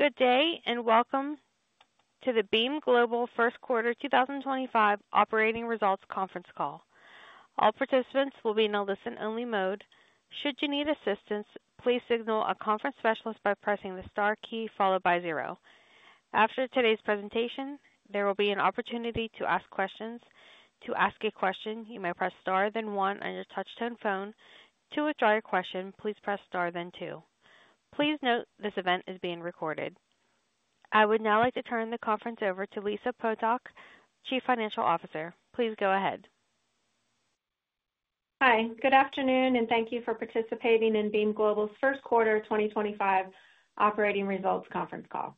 Good day and welcome to the Beam Global First Quarter 2025 Operating Results Conference Call. All participants will be in a listen-only mode. Should you need assistance, please signal a conference specialist by pressing the star key followed by zero. After today's presentation, there will be an opportunity to ask questions. To ask a question, you may press star then one on your touch-tone phone. To withdraw your question, please press star then two. Please note this event is being recorded. I would now like to turn the conference over to Lisa Potok, Chief Financial Officer. Please go ahead. Hi, good afternoon, and thank you for participating in Beam Global's First Quarter 2025 Operating Results Conference Call.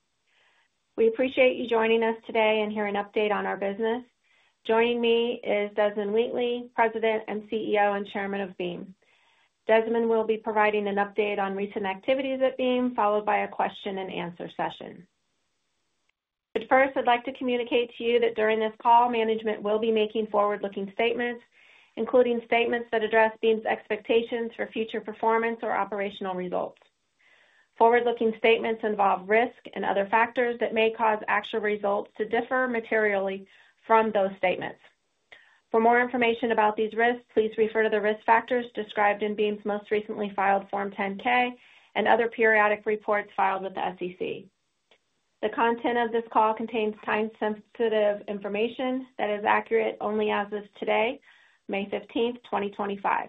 We appreciate you joining us today and hearing an update on our business. Joining me is Desmond Wheatley, President, CEO and Chairman of Beam. Desmond will be providing an update on recent activities at Beam, followed by a question-and-answer session. First, I'd like to communicate to you that during this call, management will be making forward-looking statements, including statements that address Beam's expectations for future performance or operational results. Forward-looking statements involve risk and other factors that may cause actual results to differ materially from those statements. For more information about these risks, please refer to the risk factors described in Beam's most recently filed Form 10-K and other periodic reports filed with the SEC. The content of this call contains time-sensitive information that is accurate only as of today, May 15th, 2025.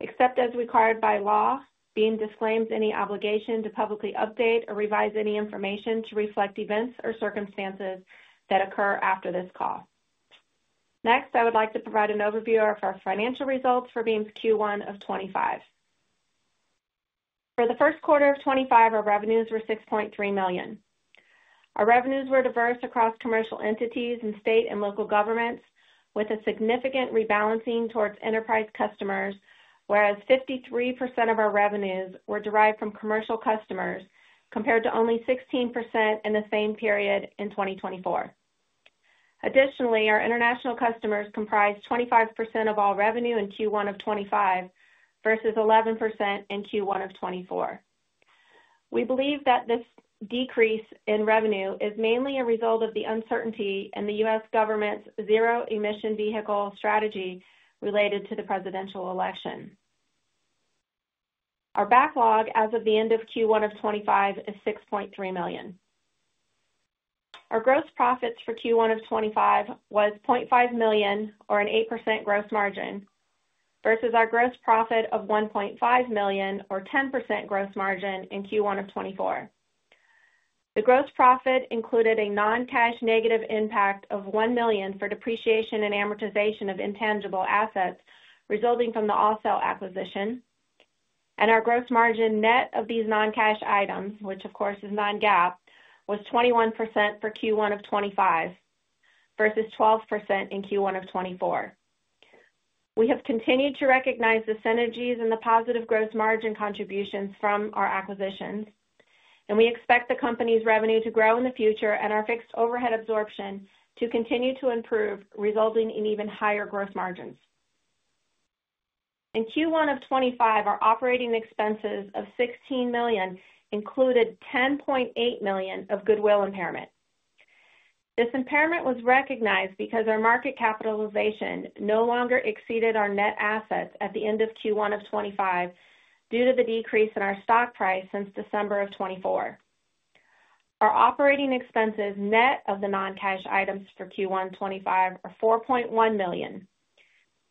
Except as required by law, Beam disclaims any obligation to publicly update or revise any information to reflect events or circumstances that occur after this call. Next, I would like to provide an overview of our financial results for Beam's Q1 of 2025. For the first quarter of 2025, our revenues were $6.3 million. Our revenues were diverse across commercial entities and state and local governments, with a significant rebalancing towards enterprise customers, whereas 53% of our revenues were derived from commercial customers compared to only 16% in the same period in 2024. Additionally, our international customers comprised 25% of all revenue in Q1 of 2025 versus 11% in Q1 of 2024. We believe that this decrease in revenue is mainly a result of the uncertainty in the U.S. government's zero-emission vehicle strategy related to the presidential election. Our backlog as of the end of Q1 of 2025 is $6.3 million. Our gross profits for Q1 of 2025 were $500,000, or an 8% gross margin, versus our gross profit of $1.5 million, or a 10% gross margin, in Q1 of 2024. The gross profit included a non-cash negative impact of $1 million for depreciation and amortization of intangible assets resulting from the All-Solar acquisition, and our gross margin net of these non-cash items, which, of course, is non-GAAP, was 21% for Q1 of 2025 versus 12% in Q1 of 2024. We have continued to recognize the synergies and the positive gross margin contributions from our acquisitions, and we expect the company's revenue to grow in the future and our fixed overhead absorption to continue to improve, resulting in even higher gross margins. In Q1 of 2025, our operating expenses of $16 million included $10.8 million of goodwill impairment. This impairment was recognized because our market capitalization no longer exceeded our net assets at the end of Q1 of 2025 due to the decrease in our stock price since December of 2024. Our operating expenses net of the non-cash items for Q1 2025 are $4.1 million,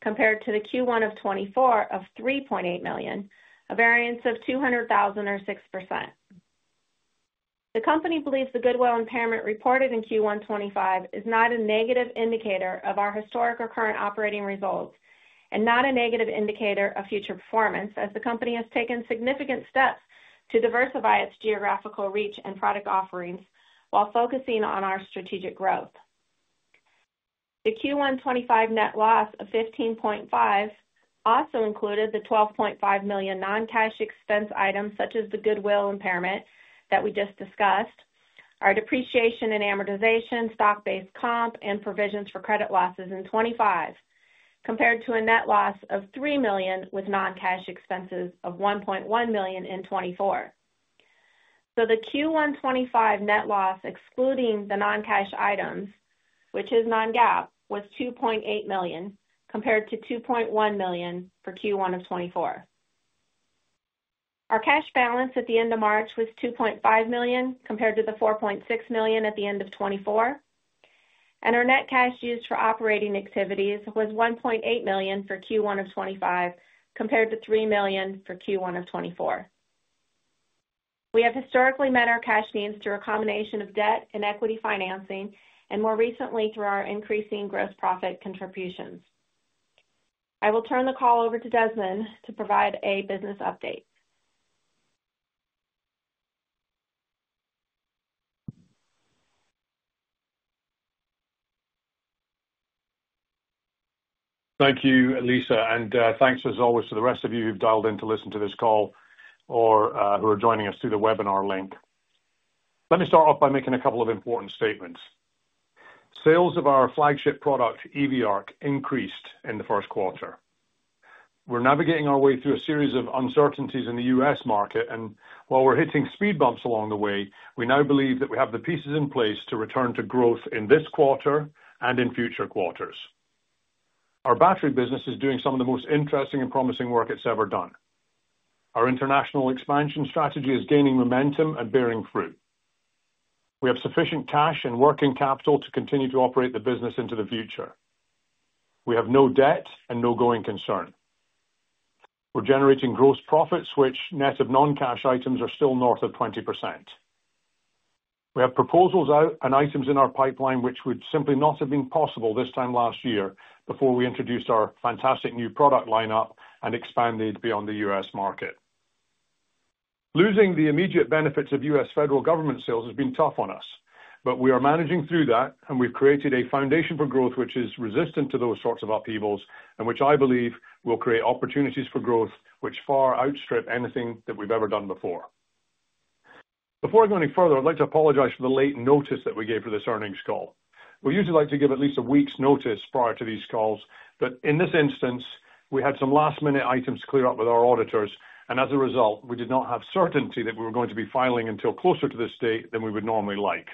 compared to the Q1 of 2024 of $3.8 million, a variance of $200,000 or 6%. The company believes the goodwill impairment reported in Q1 2025 is not a negative indicator of our historic or current operating results and not a negative indicator of future performance, as the company has taken significant steps to diversify its geographical reach and product offerings while focusing on our strategic growth. The Q1 2025 net loss of $15.5 million also included the $12.5 million non-cash expense items, such as the goodwill impairment that we just discussed, our depreciation and amortization, stock-based comp, and provisions for credit losses in 2025, compared to a net loss of $3 million with non-cash expenses of $1.1 million in 2024. The Q1 2025 net loss, excluding the non-cash items, which is non-GAAP, was $2.8 million, compared to $2.1 million for Q1 of 2024. Our cash balance at the end of March was $2.5 million compared to the $4.6 million at the end of 2024, and our net cash used for operating activities was $1.8 million for Q1 of 2025, compared to $3 million for Q1 of 2024. We have historically met our cash needs through a combination of debt and equity financing, and more recently through our increasing gross profit contributions. I will turn the call over to Desmond to provide a business update. Thank you, Lisa, and thanks, as always, to the rest of you who've dialed in to listen to this call or who are joining us through the webinar link. Let me start off by making a couple of important statements. Sales of our flagship product, EV Arc, increased in the first quarter. We're navigating our way through a series of uncertainties in the U.S. market, and while we're hitting speed bumps along the way, we now believe that we have the pieces in place to return to growth in this quarter and in future quarters. Our battery business is doing some of the most interesting and promising work it's ever done. Our international expansion strategy is gaining momentum and bearing fruit. We have sufficient cash and working capital to continue to operate the business into the future. We have no debt and no going concern. We're generating gross profits, which net of non-cash items are still north of 20%. We have proposals out and items in our pipeline which would simply not have been possible this time last year before we introduced our fantastic new product lineup and expanded beyond the U.S. market. Losing the immediate benefits of U.S. federal government sales has been tough on us, but we are managing through that, and we've created a foundation for growth which is resistant to those sorts of upheavals and which I believe will create opportunities for growth which far outstrip anything that we've ever done before. Before I go any further, I'd like to apologize for the late notice that we gave for this earnings call. We usually like to give at least a week's notice prior to these calls, but in this instance, we had some last-minute items to clear up with our auditors, and as a result, we did not have certainty that we were going to be filing until closer to this date than we would normally like.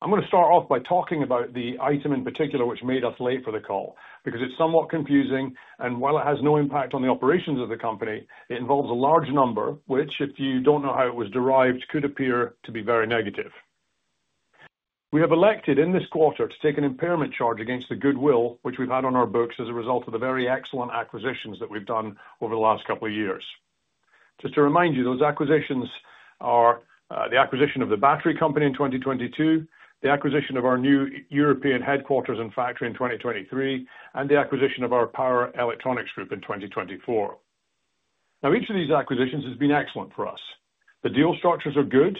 I'm going to start off by talking about the item in particular which made us late for the call because it's somewhat confusing, and while it has no impact on the operations of the company, it involves a large number which, if you don't know how it was derived, could appear to be very negative. We have elected in this quarter to take an impairment charge against the goodwill which we've had on our books as a result of the very excellent acquisitions that we've done over the last couple of years. Just to remind you, those acquisitions are the acquisition of the battery company in 2022, the acquisition of our new European headquarters and factory in 2023, and the acquisition of our power electronics group in 2024. Now, each of these acquisitions has been excellent for us. The deal structures are good.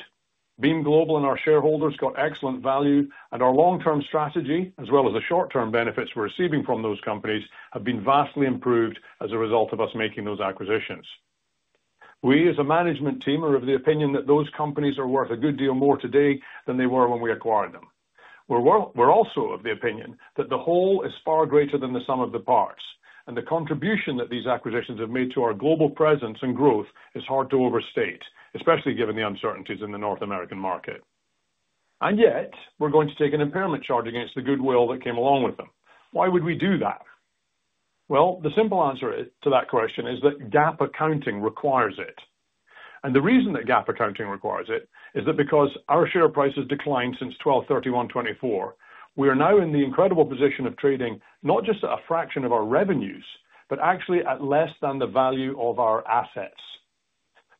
Beam Global and our shareholders got excellent value, and our long-term strategy, as well as the short-term benefits we're receiving from those companies, have been vastly improved as a result of us making those acquisitions. We, as a management team, are of the opinion that those companies are worth a good deal more today than they were when we acquired them. We're also of the opinion that the whole is far greater than the sum of the parts, and the contribution that these acquisitions have made to our global presence and growth is hard to overstate, especially given the uncertainties in the North American market. Yet, we're going to take an impairment charge against the goodwill that came along with them. Why would we do that? The simple answer to that question is that GAAP accounting requires it. The reason that GAAP accounting requires it is that because our share price has declined since 12/31/2024, we are now in the incredible position of trading not just at a fraction of our revenues, but actually at less than the value of our assets.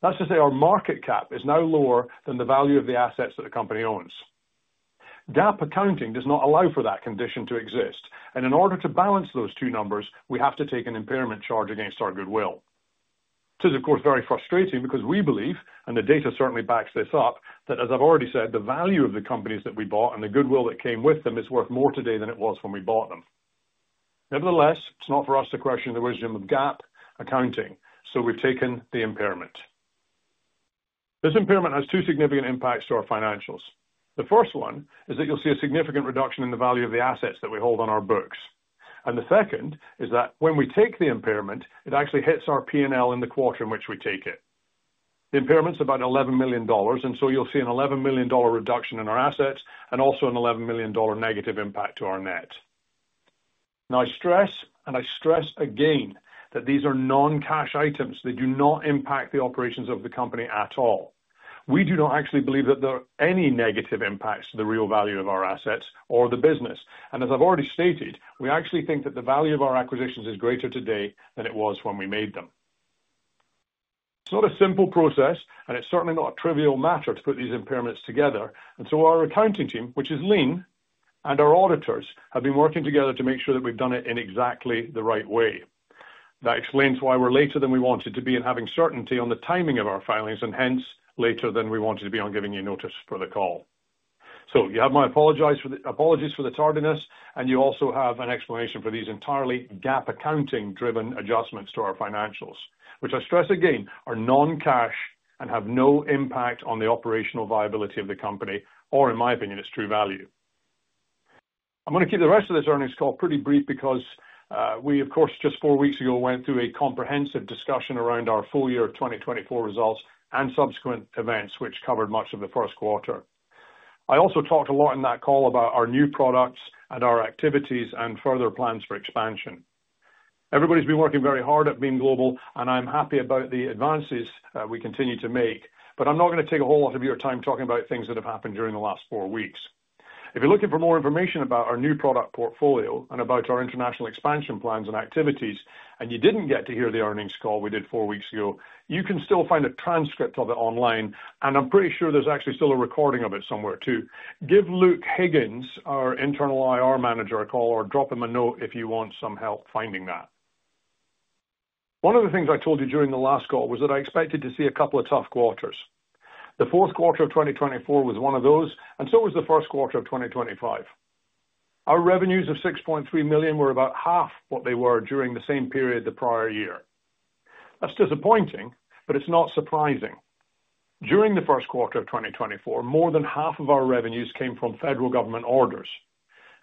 That's to say our market cap is now lower than the value of the assets that the company owns. GAAP accounting does not allow for that condition to exist, and in order to balance those two numbers, we have to take an impairment charge against our goodwill. This is, of course, very frustrating because we believe, and the data certainly backs this up, that as I've already said, the value of the companies that we bought and the goodwill that came with them is worth more today than it was when we bought them. Nevertheless, it's not for us to question the wisdom of GAAP accounting, so we've taken the impairment. This impairment has two significant impacts to our financials. The first one is that you'll see a significant reduction in the value of the assets that we hold on our books. The second is that when we take the impairment, it actually hits our P&L in the quarter in which we take it. The impairment's about $11 million, and so you'll see an $11 million reduction in our assets and also an $11 million negative impact to our net. Now, I stress, and I stress again, that these are non-cash items. They do not impact the operations of the company at all. We do not actually believe that there are any negative impacts to the real value of our assets or the business. As I've already stated, we actually think that the value of our acquisitions is greater today than it was when we made them. It's not a simple process, and it's certainly not a trivial matter to put these impairments together. Our accounting team, which is lean, and our auditors have been working together to make sure that we've done it in exactly the right way. That explains why we're later than we wanted to be in having certainty on the timing of our filings and hence later than we wanted to be on giving you notice for the call. You have my apologies for the tardiness, and you also have an explanation for these entirely GAAP accounting-driven adjustments to our financials, which I stress again are non-cash and have no impact on the operational viability of the company or, in my opinion, its true value. I'm going to keep the rest of this earnings call pretty brief because we, of course, just four weeks ago went through a comprehensive discussion around our full year of 2024 results and subsequent events, which covered much of the first quarter. I also talked a lot in that call about our new products and our activities and further plans for expansion. Everybody's been working very hard at Beam Global, and I'm happy about the advances we continue to make, but I'm not going to take a whole lot of your time talking about things that have happened during the last four weeks. If you're looking for more information about our new product portfolio and about our international expansion plans and activities, and you didn't get to hear the earnings call we did four weeks ago, you can still find a transcript of it online, and I'm pretty sure there's actually still a recording of it somewhere too. Give Luke Higgins, our internal IR manager, a call or drop him a note if you want some help finding that. One of the things I told you during the last call was that I expected to see a couple of tough quarters. The fourth quarter of 2024 was one of those, and so was the first quarter of 2025. Our revenues of $6.3 million were about half what they were during the same period the prior year. That is disappointing, but it is not surprising. During the first quarter of 2024, more than half of our revenues came from federal government orders.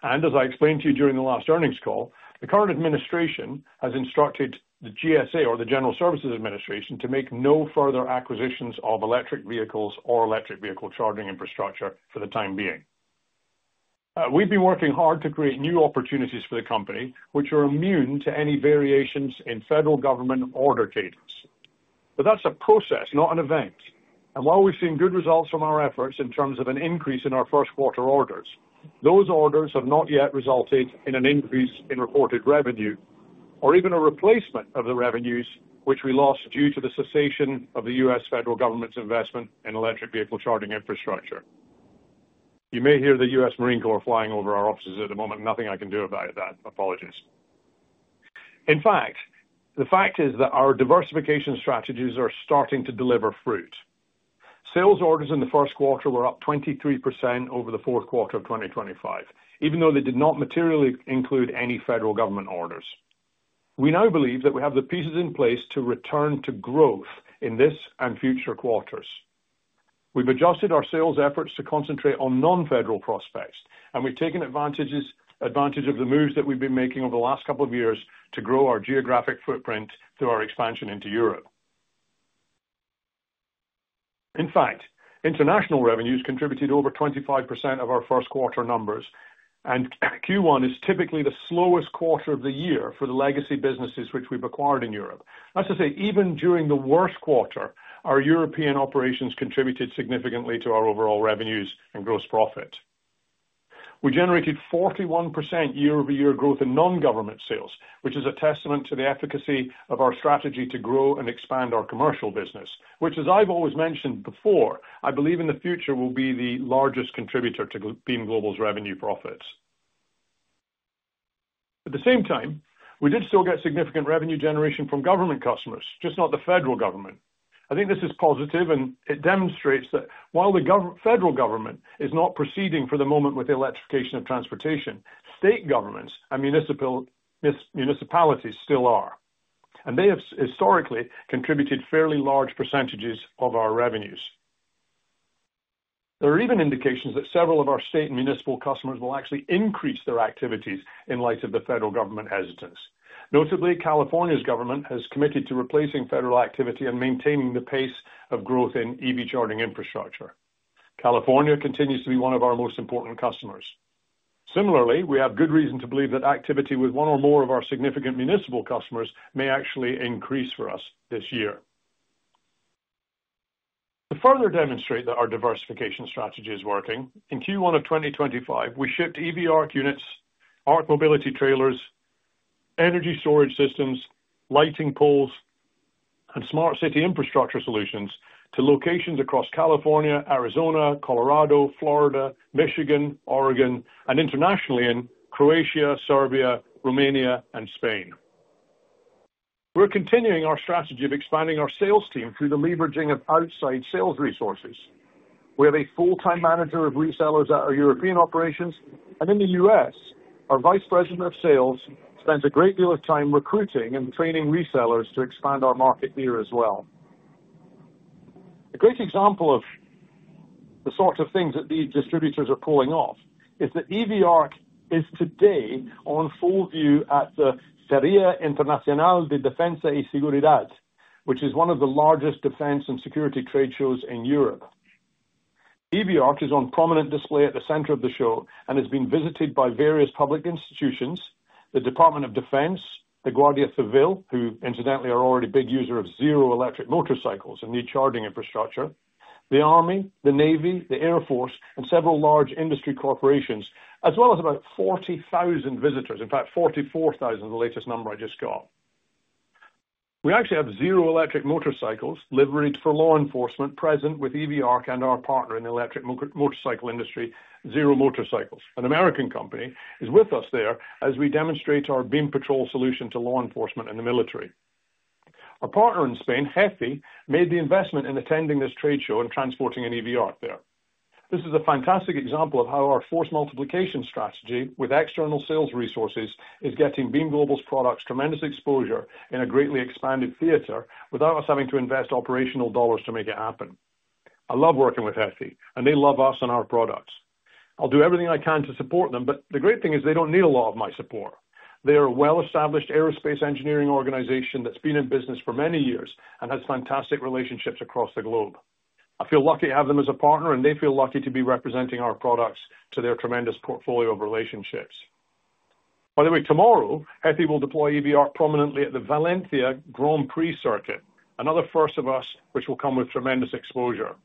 As I explained to you during the last earnings call, the current administration has instructed the GSA, or the General Services Administration, to make no further acquisitions of electric vehicles or electric vehicle charging infrastructure for the time being. We have been working hard to create new opportunities for the company, which are immune to any variations in federal government order cadence. That is a process, not an event. While we have seen good results from our efforts in terms of an increase in our first quarter orders, those orders have not yet resulted in an increase in reported revenue or even a replacement of the revenues which we lost due to the cessation of the U.S. federal government's investment in electric vehicle charging infrastructure. You may hear the U.S. Marine Corps flying over our offices at the moment. Nothing I can do about that. Apologies. In fact, the fact is that our diversification strategies are starting to deliver fruit. Sales orders in the first quarter were up 23% over the fourth quarter of 2025, even though they did not materially include any federal government orders. We now believe that we have the pieces in place to return to growth in this and future quarters. We've adjusted our sales efforts to concentrate on non-federal prospects, and we've taken advantage of the moves that we've been making over the last couple of years to grow our geographic footprint through our expansion into Europe. In fact, international revenues contributed over 25% of our first quarter numbers, and Q1 is typically the slowest quarter of the year for the legacy businesses which we've acquired in Europe. That's to say, even during the worst quarter, our European operations contributed significantly to our overall revenues and gross profit. We generated 41% year-over-year growth in non-government sales, which is a testament to the efficacy of our strategy to grow and expand our commercial business, which, as I've always mentioned before, I believe in the future will be the largest contributor to Beam Global's revenue profits. At the same time, we did still get significant revenue generation from government customers, just not the federal government. I think this is positive, and it demonstrates that while the federal government is not proceeding for the moment with the electrification of transportation, state governments and municipalities still are, and they have historically contributed fairly large percentages of our revenues. There are even indications that several of our state and municipal customers will actually increase their activities in light of the federal government hesitance. Notably, California's government has committed to replacing federal activity and maintaining the pace of growth in EV charging infrastructure. California continues to be one of our most important customers. Similarly, we have good reason to believe that activity with one or more of our significant municipal customers may actually increase for us this year. To further demonstrate that our diversification strategy is working, in Q1 of 2025, we shipped EV Arc units, Arc Mobility Trailers, energy storage systems, Lighting Poles, and Smart City Infrastructure Solutions to locations across California, Arizona, Colorado, Florida, Michigan, Oregon, and internationally in Croatia, Serbia, Romania, and Spain. We're continuing our strategy of expanding our sales team through the leveraging of outside sales resources. We have a full-time manager of resellers at our European operations, and in the U.S., our Vice President of Sales spends a great deal of time recruiting and training resellers to expand our market here as well. A great example of the sort of things that these distributors are pulling off is that EV Arc is today on full view at the Feria Internacional de Defensa y Seguridad, which is one of the largest defense and security trade shows in Europe. EV Arc is on prominent display at the center of the show and has been visited by various public institutions, the Department of Defense, the Guardia Civil, who incidentally are already big users of zero-electric motorcycles and need charging infrastructure, the Army, the Navy, the Air Force, and several large industry corporations, as well as about 40,000 visitors, in fact 44,000 is the latest number I just got. We actually have Zero Motorcycles livery for law enforcement present with EV Arc and our partner in the electric motorcycle industry, Zero Motorcycles. An American company is with us there as we demonstrate our Beam Patrol solution to law enforcement and the military. Our partner in Spain, HEFI, made the investment in attending this trade show and transporting an EV Arc there. This is a fantastic example of how our force multiplication strategy with external sales resources is getting Beam Global's products tremendous exposure in a greatly expanded theater without us having to invest operational dollars to make it happen. I love working with HEFI, and they love us and our products. I'll do everything I can to support them, but the great thing is they don't need a lot of my support. They are a well-established aerospace engineering organization that's been in business for many years and has fantastic relationships across the globe. I feel lucky to have them as a partner, and they feel lucky to be representing our products to their tremendous portfolio of relationships. By the way, tomorrow, HEFI will deploy EV Arc prominently at the Valencia Grand Prix Circuit, another first of us which will come with tremendous exposure.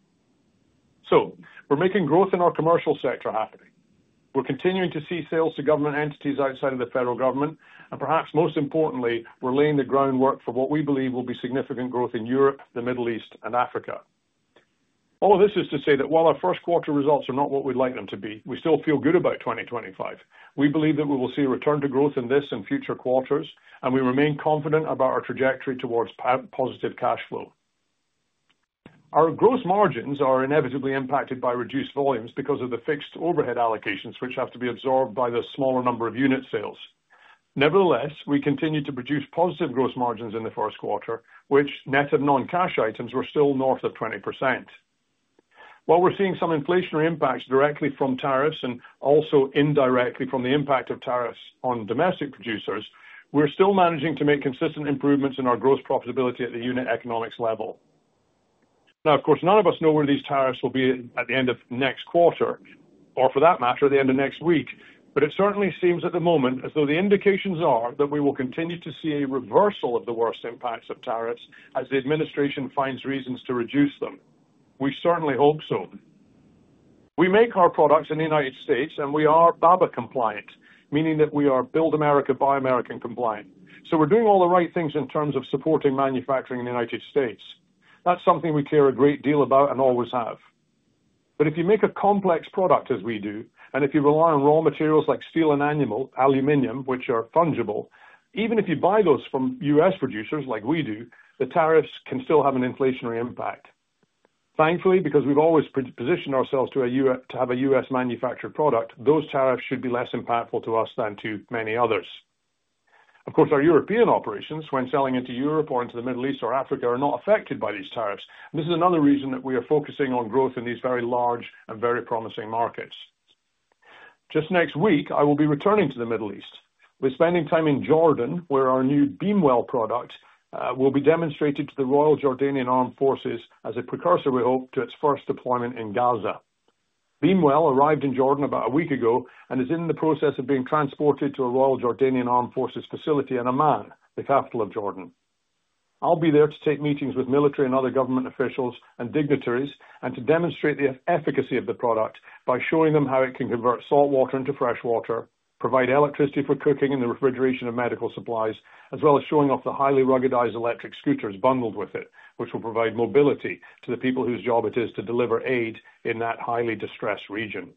We're making growth in our commercial sector happen. We're continuing to see sales to government entities outside of the federal government, and perhaps most importantly, we're laying the groundwork for what we believe will be significant growth in Europe, the Middle East, and Africa. All of this is to say that while our first quarter results are not what we'd like them to be, we still feel good about 2025. We believe that we will see a return to growth in this and future quarters, and we remain confident about our trajectory towards positive cash flow. Our gross margins are inevitably impacted by reduced volumes because of the fixed overhead allocations which have to be absorbed by the smaller number of unit sales. Nevertheless, we continue to produce positive gross margins in the first quarter, which net of non-cash items were still north of 20%. While we're seeing some inflationary impacts directly from tariffs and also indirectly from the impact of tariffs on domestic producers, we're still managing to make consistent improvements in our gross profitability at the unit economics level. Now, of course, none of us know where these tariffs will be at the end of next quarter or for that matter, at the end of next week, but it certainly seems at the moment as though the indications are that we will continue to see a reversal of the worst impacts of tariffs as the administration finds reasons to reduce them. We certainly hope so. We make our products in the United States, and we are BABA compliant, meaning that we are Build America Buy America compliant. We're doing all the right things in terms of supporting manufacturing in the United States. That's something we care a great deal about and always have. If you make a complex product as we do, and if you rely on raw materials like steel and aluminum, which are fungible, even if you buy those from U.S. producers like we do, the tariffs can still have an inflationary impact. Thankfully, because we've always positioned ourselves to have a U.S. manufactured product, those tariffs should be less impactful to us than to many others. Of course, our European operations, when selling into Europe or into the Middle East or Africa, are not affected by these tariffs. This is another reason that we are focusing on growth in these very large and very promising markets. Just next week, I will be returning to the Middle East. We're spending time in Jordan, where our new BeamWell product will be demonstrated to the Royal Jordanian Armed Forces as a precursor, we hope, to its first deployment in Gaza. BeamWell arrived in Jordan about a week ago and is in the process of being transported to a Royal Jordanian Armed Forces facility in Amman, the capital of Jordan. I'll be there to take meetings with military and other government officials and dignitaries and to demonstrate the efficacy of the product by showing them how it can convert salt water into fresh water, provide electricity for cooking and the refrigeration of medical supplies, as well as showing off the highly ruggedized electric scooters bundled with it, which will provide mobility to the people whose job it is to deliver aid in that highly distressed region.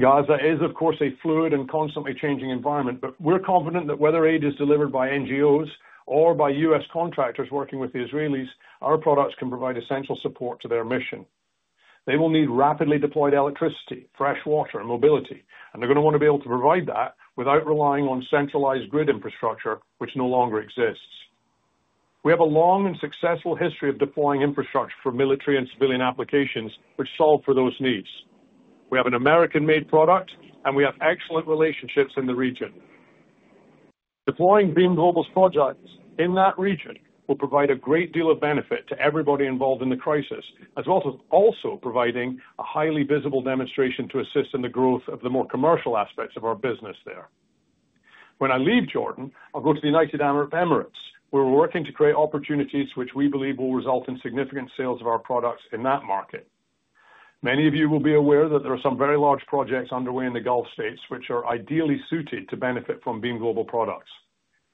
Gaza is, of course, a fluid and constantly changing environment, but we're confident that whether aid is delivered by NGOs or by U.S. contractors working with the Israelis, our products can provide essential support to their mission. They will need rapidly deployed electricity, fresh water, and mobility, and they're going to want to be able to provide that without relying on centralized grid infrastructure, which no longer exists. We have a long and successful history of deploying infrastructure for military and civilian applications, which solve for those needs. We have an American-made product, and we have excellent relationships in the region. Deploying Beam Global's projects in that region will provide a great deal of benefit to everybody involved in the crisis, as well as also providing a highly visible demonstration to assist in the growth of the more commercial aspects of our business there. When I leave Jordan, I'll go to the United Arab Emirates, where we're working to create opportunities which we believe will result in significant sales of our products in that market. Many of you will be aware that there are some very large projects underway in the Gulf States, which are ideally suited to benefit from Beam Global products.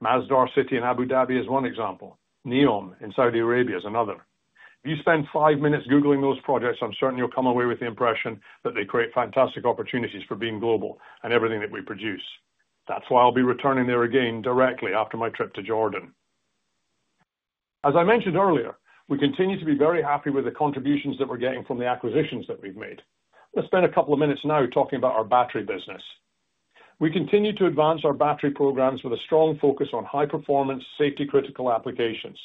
Masdar City in Abu Dhabi is one example. Neom in Saudi Arabia is another. If you spend five minutes Googling those projects, I'm certain you'll come away with the impression that they create fantastic opportunities for Beam Global and everything that we produce. That's why I'll be returning there again directly after my trip to Jordan. As I mentioned earlier, we continue to be very happy with the contributions that we're getting from the acquisitions that we've made. Let's spend a couple of minutes now talking about our battery business. We continue to advance our battery programs with a strong focus on high-performance, safety-critical applications.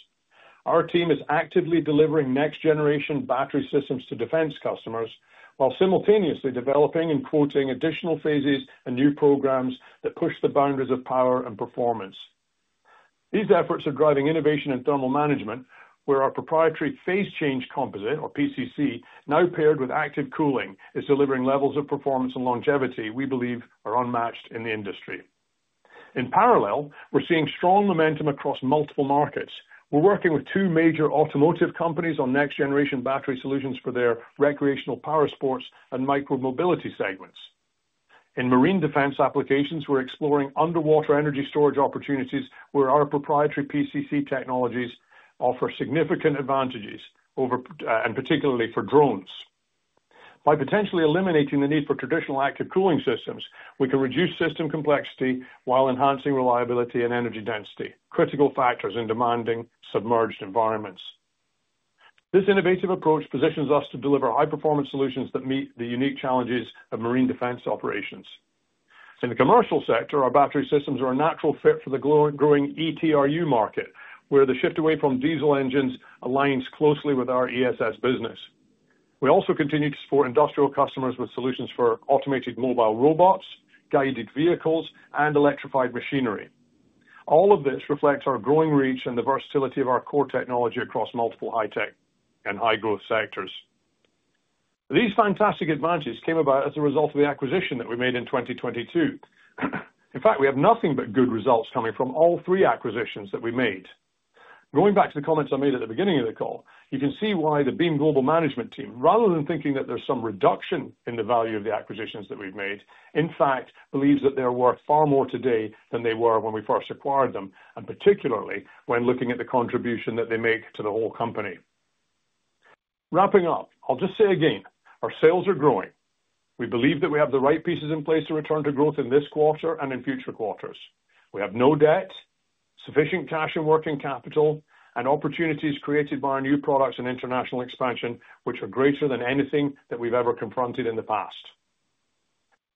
Our team is actively delivering next-generation battery systems to defense customers while simultaneously developing and quoting additional phases and new programs that push the boundaries of power and performance. These efforts are driving innovation in thermal management, where our proprietary phase change composite, or PCC, now paired with active cooling, is delivering levels of performance and longevity we believe are unmatched in the industry. In parallel, we're seeing strong momentum across multiple markets. We're working with two major automotive companies on next-generation battery solutions for their recreational power sports and micro-mobility segments. In marine defense applications, we're exploring underwater energy storage opportunities where our proprietary PCC technologies offer significant advantages, and particularly for drones. By potentially eliminating the need for traditional active cooling systems, we can reduce system complexity while enhancing reliability and energy density, critical factors in demanding submerged environments. This innovative approach positions us to deliver high-performance solutions that meet the unique challenges of marine defense operations. In the commercial sector, our battery systems are a natural fit for the growing ETRU market, where the shift away from diesel engines aligns closely with our ESS business. We also continue to support industrial customers with solutions for automated mobile robots, guided vehicles, and electrified machinery. All of this reflects our growing reach and the versatility of our core technology across multiple high-tech and high-growth sectors. These fantastic advantages came about as a result of the acquisition that we made in 2022. In fact, we have nothing but good results coming from all three acquisitions that we made. Going back to the comments I made at the beginning of the call, you can see why the Beam Global management team, rather than thinking that there's some reduction in the value of the acquisitions that we've made, in fact believes that they're worth far more today than they were when we first acquired them, and particularly when looking at the contribution that they make to the whole company. Wrapping up, I'll just say again, our sales are growing. We believe that we have the right pieces in place to return to growth in this quarter and in future quarters. We have no debt, sufficient cash and working capital, and opportunities created by our new products and international expansion, which are greater than anything that we've ever confronted in the past.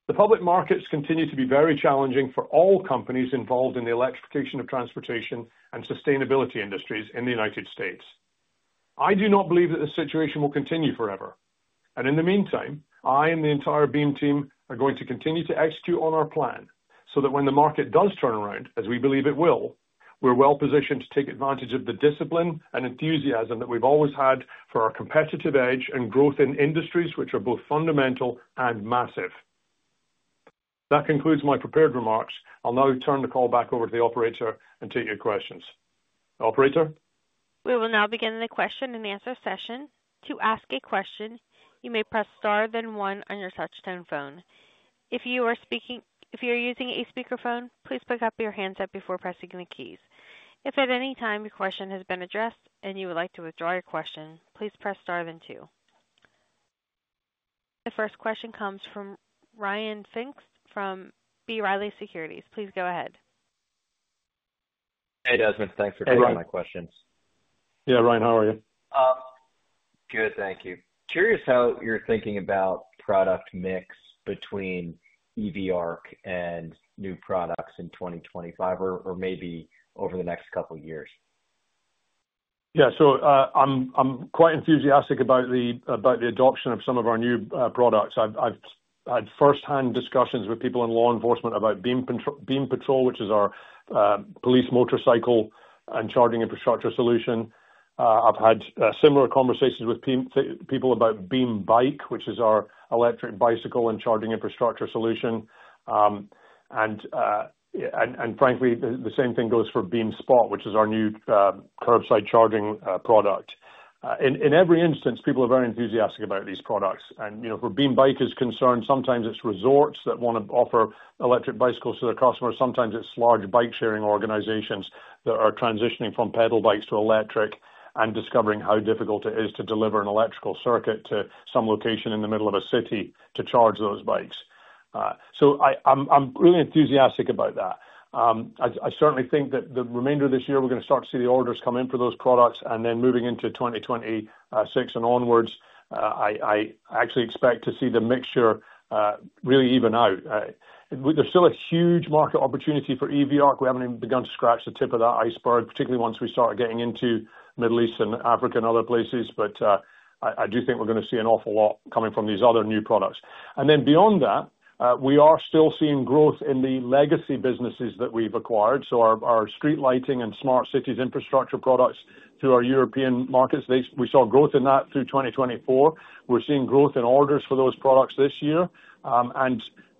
The public markets continue to be very challenging for all companies involved in the electrification of transportation and sustainability industries in the United States. I do not believe that the situation will continue forever. In the meantime, I and the entire Beam team are going to continue to execute on our plan so that when the market does turn around, as we believe it will, we're well positioned to take advantage of the discipline and enthusiasm that we've always had for our competitive edge and growth in industries which are both fundamental and massive. That concludes my prepared remarks. I'll now turn the call back over to the operator and take your questions. Operator. We will now begin the question and answer session. To ask a question, you may press star then one on your touch-tone phone. If you are using a speakerphone, please pick your hands up before pressing the keys. If at any time your question has been addressed and you would like to withdraw your question, please press star then two. The first question comes from Ryan Fink from B. Riley Securities. Please go ahead. Hey, Desmond. Thanks for taking my questions. Hey, Ryan. Yeah, Ryan, how are you? Good, thank you. Curious how you're thinking about product mix between EV Arc and new products in 2025 or maybe over the next couple of years. Yeah, so I'm quite enthusiastic about the adoption of some of our new products. I've had firsthand discussions with people in law enforcement about Beam Patrol, which is our police motorcycle and charging infrastructure solution. I've had similar conversations with people about Beam Bike, which is our electric bicycle and charging infrastructure solution. Frankly, the same thing goes for Beam Spot, which is our new curbside charging product. In every instance, people are very enthusiastic about these products. For Beam Bike, sometimes it's resorts that want to offer electric bicycles to their customers. Sometimes it's large bike-sharing organizations that are transitioning from pedal bikes to electric and discovering how difficult it is to deliver an electrical circuit to some location in the middle of a city to charge those bikes. I'm really enthusiastic about that. I certainly think that the remainder of this year, we're going to start to see the orders come in for those products. Moving into 2026 and onwards, I actually expect to see the mixture really even out. There's still a huge market opportunity for EV Arc. We haven't even begun to scratch the tip of that iceberg, particularly once we start getting into Middle East and Africa and other places. I do think we're going to see an awful lot coming from these other new products. Beyond that, we are still seeing growth in the legacy businesses that we've acquired. Our street lighting and smart city infrastructure products through our European markets, we saw growth in that through 2024. We're seeing growth in orders for those products this year.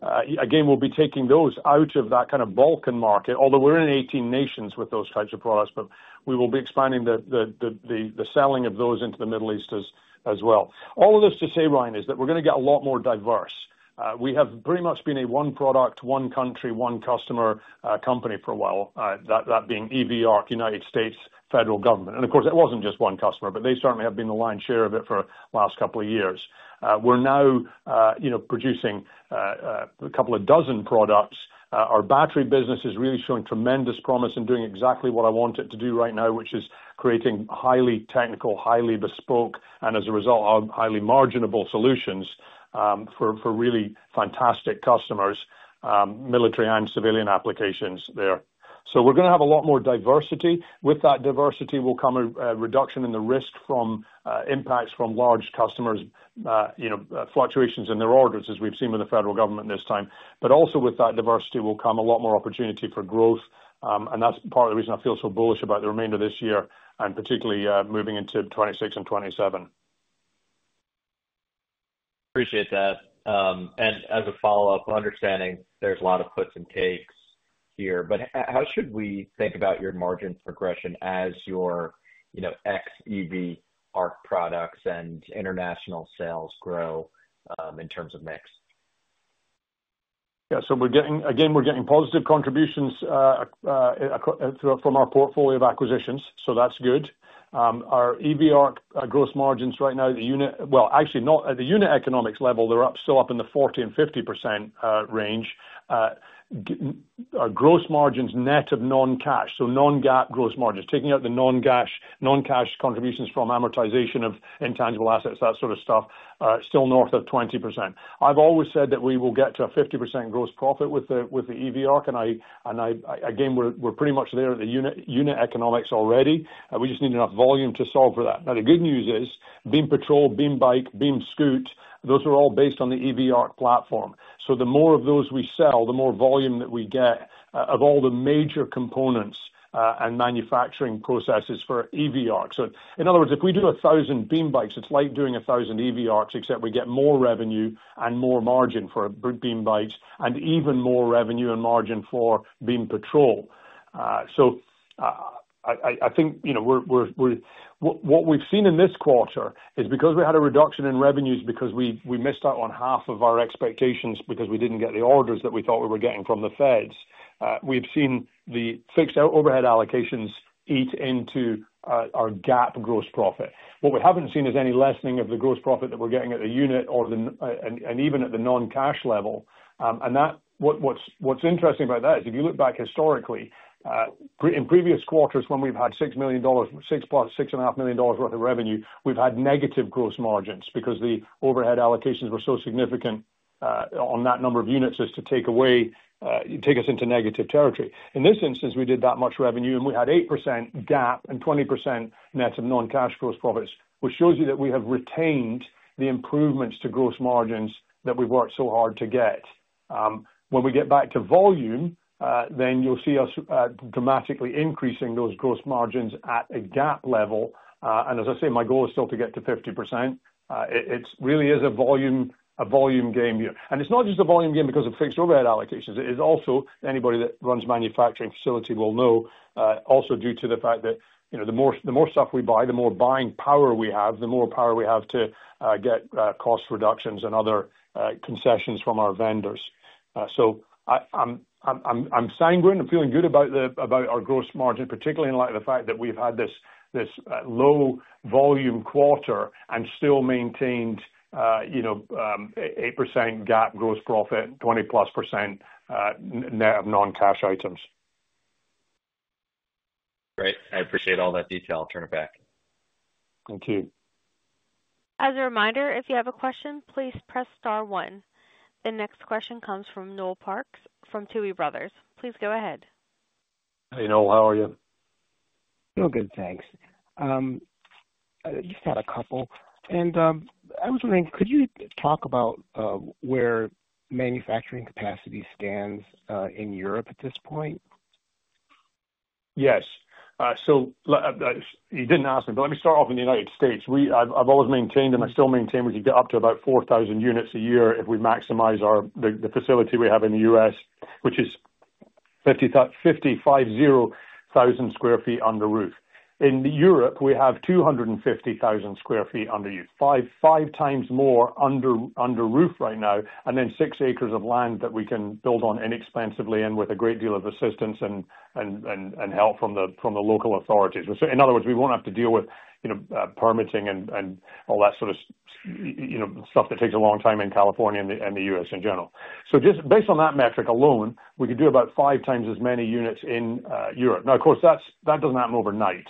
Again, we'll be taking those out of that kind of Balkan market, although we're in 18 nations with those types of products, but we will be expanding the selling of those into the Middle East as well. All of this to say, Ryan, is that we're going to get a lot more diverse. We have pretty much been a one product, one country, one customer company for a while, that being EV Arc, United States Federal Government. Of course, it was not just one customer, but they certainly have been the lion's share of it for the last couple of years. We are now producing a couple of dozen products. Our battery business is really showing tremendous promise and doing exactly what I want it to do right now, which is creating highly technical, highly bespoke, and as a result, highly marginable solutions for really fantastic customers, military and civilian applications there. We are going to have a lot more diversity. With that diversity will come a reduction in the risk from impacts from large customers, fluctuations in their orders, as we have seen with the federal government this time. Also, with that diversity will come a lot more opportunity for growth. That's part of the reason I feel so bullish about the remainder of this year and particularly moving into 2026 and 2027. Appreciate that. As a follow-up, understanding there's a lot of puts and takes here, how should we think about your margin progression as your ex-EV Arc products and international sales grow in terms of mix? Yeah, again, we're getting positive contributions from our portfolio of acquisitions, so that's good. Our EV Arc gross margins right now, the unit, well, actually, not at the unit economics level, they're still up in the 40-50% range. Our gross margins net of non-cash, so non-GAAP gross margins, taking out the non-cash contributions from amortization of intangible assets, that sort of stuff, still north of 20%. I've always said that we will get to a 50% gross profit with the EV Arc. We're pretty much there at the unit economics already. We just need enough volume to solve for that. The good news is Beam Patrol, Beam Bike, Beam Scoot, those are all based on the EV Arc platform. The more of those we sell, the more volume that we get of all the major components and manufacturing processes for EV Arc. In other words, if we do 1,000 Beam Bikes, it's like doing 1,000 EV Arcs, except we get more revenue and more margin for Beam Bikes and even more revenue and margin for Beam Patrol. I think what we've seen in this quarter is because we had a reduction in revenues because we missed out on half of our expectations because we didn't get the orders that we thought we were getting from the feds, we've seen the fixed overhead allocations eat into our GAAP gross profit. What we haven't seen is any lessening of the gross profit that we're getting at the unit and even at the non-cash level. What's interesting about that is if you look back historically, in previous quarters, when we've had $6-$6.5 million worth of revenue, we've had negative gross margins because the overhead allocations were so significant on that number of units as to take us into negative territory. In this instance, we did that much revenue, and we had 8% GAAP and 20% net of non-cash gross profits, which shows you that we have retained the improvements to gross margins that we've worked so hard to get. When we get back to volume, you will see us dramatically increasing those gross margins at a GAAP level. As I say, my goal is still to get to 50%. It really is a volume game here. It is not just a volume game because of fixed overhead allocations. It is also, anybody that runs a manufacturing facility will know, also due to the fact that the more stuff we buy, the more buying power we have, the more power we have to get cost reductions and other concessions from our vendors. I am sanguine. I'm feeling good about our gross margin, particularly in light of the fact that we've had this low volume quarter and still maintained 8% GAAP gross profit, 20%+ net of non-cash items. Great. I appreciate all that detail. I'll turn it back. Thank you. As a reminder, if you have a question, please press star one. The next question comes from Noel Parks from Tuohy Brothers. Please go ahead. Hey, Noel, how are you? I'm doing good, thanks. Just had a couple. And I was wondering, could you talk about where manufacturing capacity stands in Europe at this point? Yes. You did not ask me, but let me start off in the United States. I've always maintained, and I still maintain, we could get up to about 4,000 units a year if we maximize the facility we have in the U.S., which is 55,000 sq ft under roof. In Europe, we have 250,000 sq ft under you, five times more under roof right now, and then six acres of land that we can build on inexpensively and with a great deal of assistance and help from the local authorities. In other words, we will not have to deal with permitting and all that sort of stuff that takes a long time in California and the U.S. in general. Just based on that metric alone, we could do about five times as many units in Europe. Now, of course, that does not happen overnight.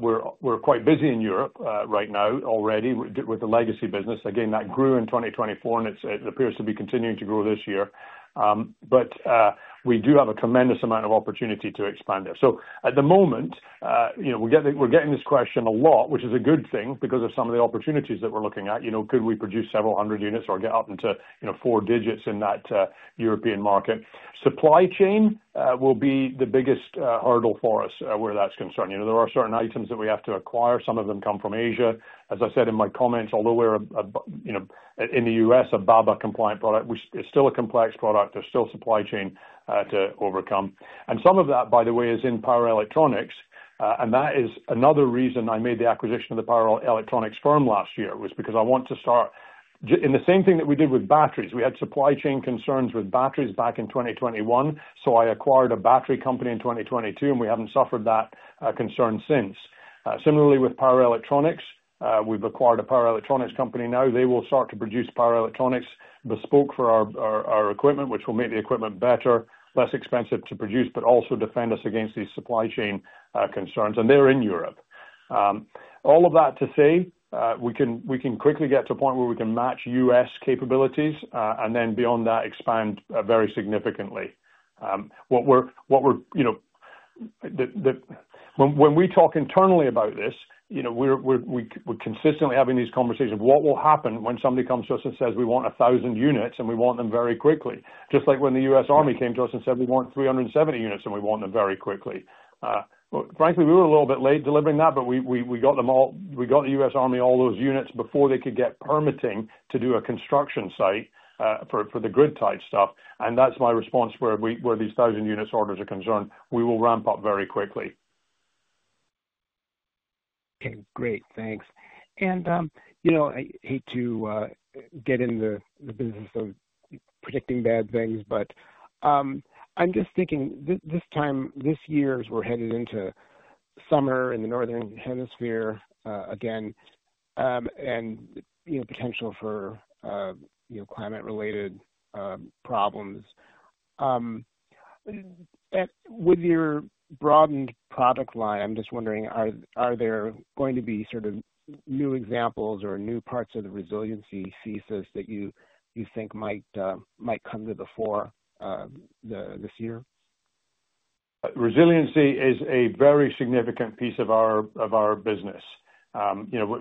We are quite busy in Europe right now already with the legacy business. Again, that grew in 2024, and it appears to be continuing to grow this year. We do have a tremendous amount of opportunity to expand there. At the moment, we're getting this question a lot, which is a good thing because of some of the opportunities that we're looking at. Could we produce several hundred units or get up into four digits in that European market? Supply chain will be the biggest hurdle for us where that's concerned. There are certain items that we have to acquire. Some of them come from Asia. As I said in my comments, although we're in the U.S., a BABA compliant product, it's still a complex product. There's still supply chain to overcome. Some of that, by the way, is in power electronics. That is another reason I made the acquisition of the power electronics firm last year, because I want to start in the same thing that we did with batteries. We had supply chain concerns with batteries back in 2021. I acquired a battery company in 2022, and we haven't suffered that concern since. Similarly, with power electronics, we've acquired a power electronics company now. They will start to produce power electronics bespoke for our equipment, which will make the equipment better, less expensive to produce, but also defend us against these supply chain concerns. They're in Europe. All of that to say, we can quickly get to a point where we can match U.S. capabilities and then beyond that expand very significantly. When we talk internally about this, we're consistently having these conversations. What will happen when somebody comes to us and says, "We want 1,000 units, and we want them very quickly," just like when the US Army came to us and said, "We want 370 units, and we want them very quickly." Frankly, we were a little bit late delivering that, but we got the US Army all those units before they could get permitting to do a construction site for the grid-type stuff. That is my response where these 1,000 units orders are concerned. We will ramp up very quickly. Okay. Great. Thanks. I hate to get in the business of predicting bad things, but I'm just thinking this year, as we're headed into summer in the northern hemisphere again and potential for climate-related problems. With your broadened product line, I'm just wondering, are there going to be sort of new examples or new parts of the resiliency thesis that you think might come to the fore this year? Resiliency is a very significant piece of our business.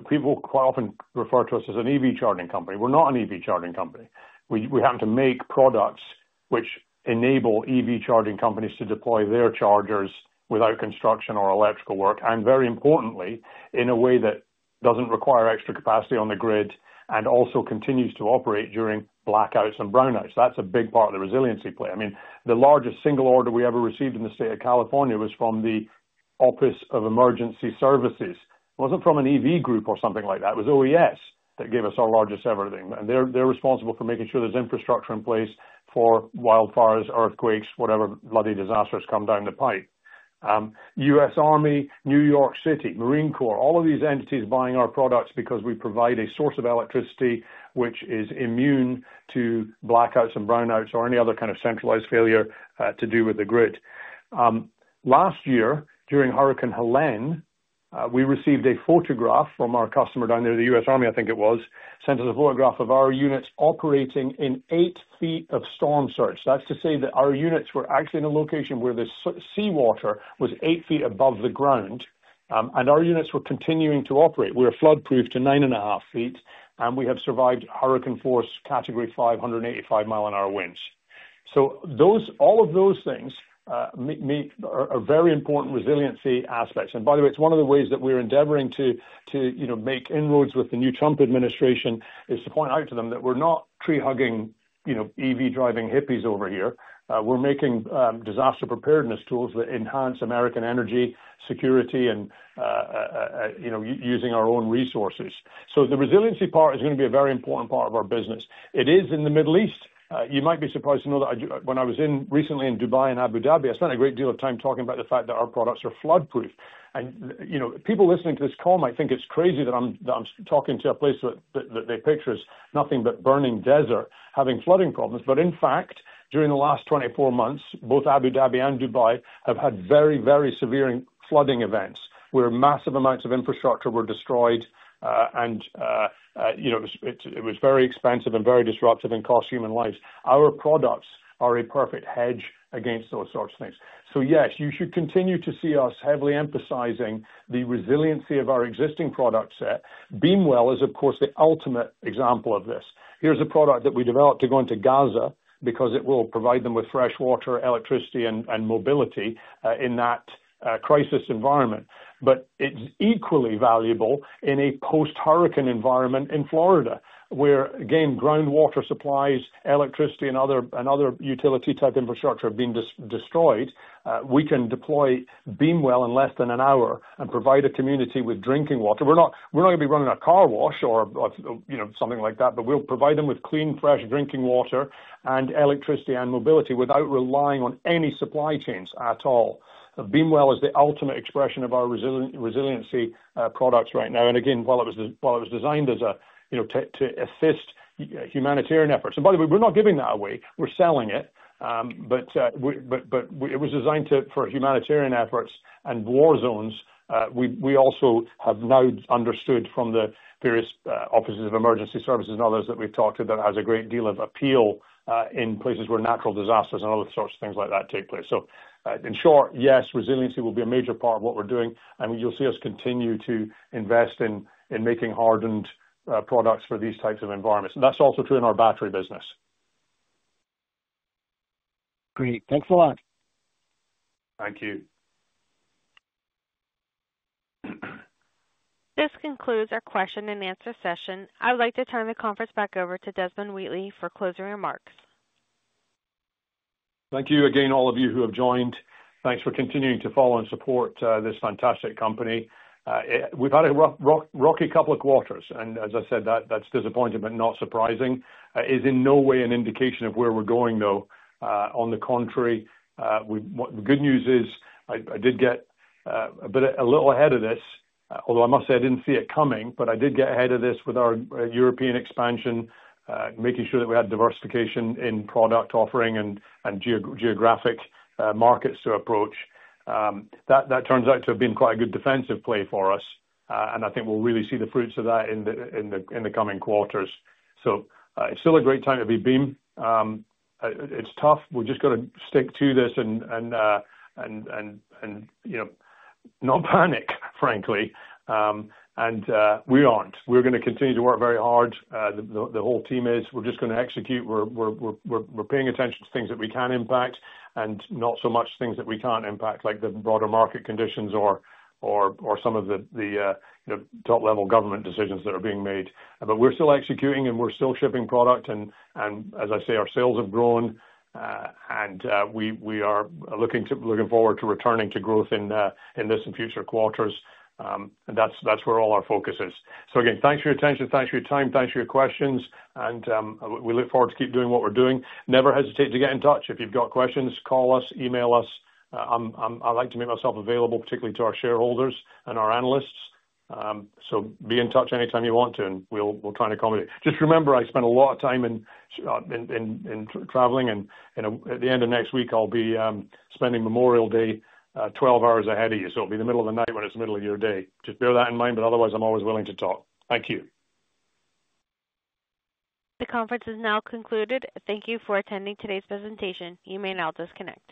People often refer to us as an EV charging company. We're not an EV charging company. We have to make products which enable EV charging companies to deploy their chargers without construction or electrical work and, very importantly, in a way that doesn't require extra capacity on the grid and also continues to operate during blackouts and brownouts. That's a big part of the resiliency play. I mean, the largest single order we ever received in the state of California was from the Office of Emergency Services. It wasn't from an EV group or something like that. It was OES that gave us our largest everything. They're responsible for making sure there's infrastructure in place for wildfires, earthquakes, whatever bloody disasters come down the pipe. U.S. Army, New York City, Marine Corps, all of these entities buying our products because we provide a source of electricity which is immune to blackouts and brownouts or any other kind of centralized failure to do with the grid. Last year, during Hurricane Helen, we received a photograph from our customer down there, the U.S. Army, I think it was, sent us a photograph of our units operating in 8 feet of storm surge. That's to say that our units were actually in a location where the seawater was 8 feet above the ground, and our units were continuing to operate. We were floodproof to 9.5 feet, and we have survived hurricane force category 5, 185 mile an hour winds. All of those things are very important resiliency aspects. By the way, it's one of the ways that we're endeavoring to make inroads with the new Trump administration is to point out to them that we're not tree-hugging EV driving hippies over here. We're making disaster preparedness tools that enhance American energy security and using our own resources. The resiliency part is going to be a very important part of our business. It is in the Middle East. You might be surprised to know that when I was recently in Dubai and Abu Dhabi, I spent a great deal of time talking about the fact that our products are floodproof. People listening to this call might think it's crazy that I'm talking to a place that they picture as nothing but burning desert, having flooding problems. In fact, during the last 24 months, both Abu Dhabi and Dubai have had very, very severe flooding events where massive amounts of infrastructure were destroyed, and it was very expensive and very disruptive and cost human lives. Our products are a perfect hedge against those sorts of things. Yes, you should continue to see us heavily emphasizing the resiliency of our existing product set. BeamWell is, of course, the ultimate example of this. Here is a product that we developed to go into Gaza because it will provide them with fresh water, electricity, and mobility in that crisis environment. It is equally valuable in a post-hurricane environment in Florida where, again, groundwater supplies, electricity, and other utility-type infrastructure have been destroyed. We can deploy BeamWell in less than an hour and provide a community with drinking water. We're not going to be running a car wash or something like that, but we'll provide them with clean, fresh drinking water and electricity and mobility without relying on any supply chains at all. BeamWell is the ultimate expression of our resiliency products right now. Again, while it was designed to assist humanitarian efforts, and by the way, we're not giving that away. We're selling it. It was designed for humanitarian efforts and war zones. We also have now understood from the various offices of emergency services and others that we've talked to that it has a great deal of appeal in places where natural disasters and other sorts of things like that take place. In short, yes, resiliency will be a major part of what we're doing, and you'll see us continue to invest in making hardened products for these types of environments. That is also true in our battery business. Great. Thanks a lot. Thank you. This concludes our question and answer session. I would like to turn the conference back over to Desmond Wheatley for closing remarks. Thank you again, all of you who have joined. Thanks for continuing to follow and support this fantastic company. We have had a rocky couple of quarters. As I said, that is disappointing but not surprising. It is in no way an indication of where we are going, though. On the contrary, the good news is I did get a little ahead of this, although I must say I did not see it coming, but I did get ahead of this with our European expansion, making sure that we had diversification in product offering and geographic markets to approach. That turns out to have been quite a good defensive play for us, and I think we'll really see the fruits of that in the coming quarters. It is still a great time to be Beam. It is tough. We've just got to stick to this and not panic, frankly. And we aren't. We're going to continue to work very hard. The whole team is. We're just going to execute. We're paying attention to things that we can impact and not so much things that we can't impact, like the broader market conditions or some of the top-level government decisions that are being made. We are still executing, and we're still shipping product. As I say, our sales have grown, and we are looking forward to returning to growth in this and future quarters. That is where all our focus is. Again, thanks for your attention. Thanks for your time. Thanks for your questions. We look forward to keep doing what we're doing. Never hesitate to get in touch. If you've got questions, call us, email us. I like to make myself available, particularly to our shareholders and our analysts. Be in touch anytime you want to, and we'll try and accommodate. Just remember, I spend a lot of time traveling, and at the end of next week, I'll be spending Memorial Day 12 hours ahead of you. It will be the middle of the night when it's the middle of your day. Just bear that in mind, but otherwise, I'm always willing to talk. Thank you. The conference is now concluded. Thank you for attending today's presentation. You may now disconnect.